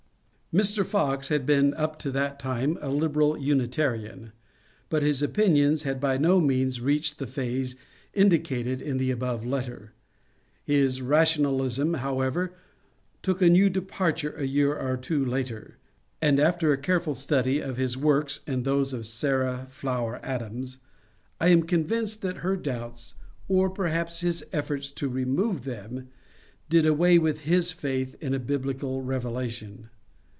Mr. Fox had been up to that time a liberal Unitarian, but his opinions had by no means reached the phase indicated in the above letter. His rationalism, however, took a new de parture a year or two later, and after a careful study of his works and those of Sarah Flower Adams, I am convinced that her doubts, or perhaps his efforts to remove them, did away with his faith in a biblicid revelation.